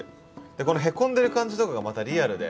このへこんでる感じとかがまたリアルで。